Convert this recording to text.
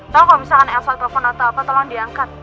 tau kalau misalkan elsa telpon atau apa tolong diangkat